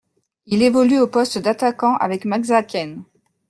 Il évolue au poste d'attaquant avec Maxaquene.